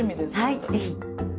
はい是非。